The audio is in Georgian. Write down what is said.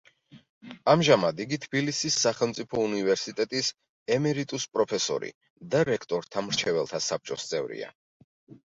ამჟამად იგი თბილისის სახელმწიფო უნივერსიტეტის ემერიტუს-პროფესორი და რექტორთა მრჩეველთა საბჭოს წევრია.